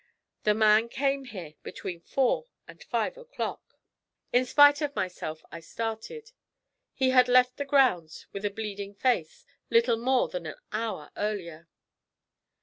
The man came here between four and five o'clock.' In spite of myself I started. He had left the grounds with a bleeding face, little more than an hour earlier.